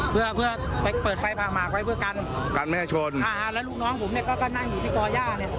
เพื่อเพื่อไปเปิดไฟผ่าหมากไว้เพื่อกันกันไม่ให้ชนอ่าแล้วลูกน้องผมเนี่ยก็ก็นั่งอยู่ที่ก่อย่าเนี่ย